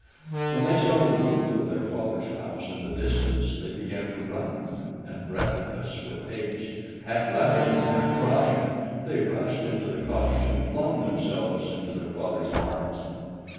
When they saw the roof of their father's house in the distance they began to run, and, breathless with haste, half laughing and half crying, they rushed into the cottage and flung themselves into their father's arms.